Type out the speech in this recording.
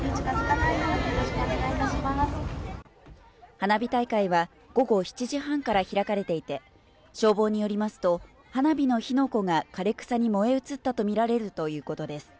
花火大会は午後７時半から開かれていて、消防によりますと、花火の火の粉が枯れ草に燃え移ったとみられるということです。